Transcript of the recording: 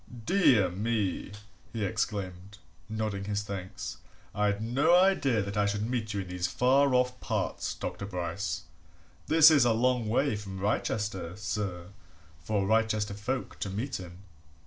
"Dear me!" he exclaimed, nodding his thanks. "I'd no idea that I should meet you in these far off parts, Dr. Bryce! This is a long way from Wrychester, sir, for Wrychester folk to meet in."